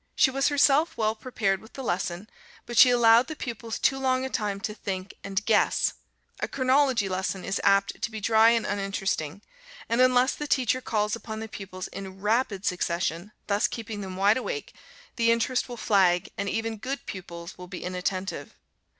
She was herself well prepared with the lesson, but she allowed the pupils too long a time to think and guess. A chronology lesson is apt to be dry and uninteresting; and unless the teacher calls upon the pupils in rapid succession, thus keeping them wide awake, the interest will flag, and even good pupils will be inattentive.